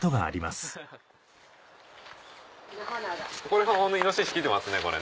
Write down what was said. これもイノシシ来てますね。